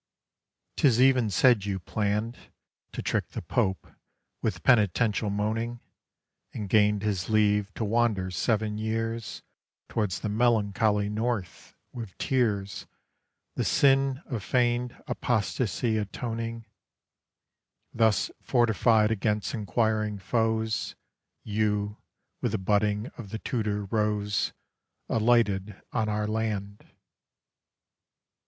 'Tis even said you planned To trick the Pope with penitential moaning, And gained his leave to wander seven years Towards the melancholy North, with tears The sin of feigned apostasy atoning: Thus fortified against enquiring foes, You, with the budding of the Tudor rose, Alighted on our land.